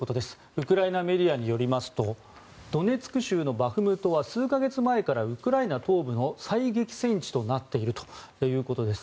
ウクライナメディアによりますとドネツク州のバフムトは数か月前からウクライナ東部の最激戦地となっているということです。